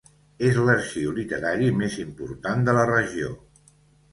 És l'arxiu literari més important de la regió.